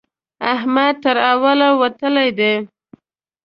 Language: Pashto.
احمد تر اول وتلی دی.